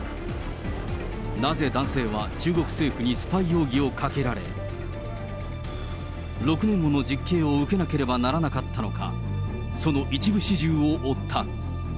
なぜ男性は中国政府にスパイ容疑をかけられ、６年の実刑を受けなければならなかったのか。